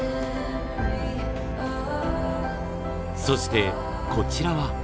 そしてこちらは。